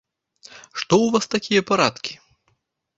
Што ў вас такія парадкі!